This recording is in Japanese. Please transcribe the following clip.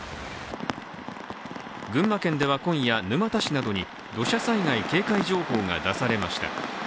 群馬県では今夜、沼田市などに土砂災害警戒情報が出されました。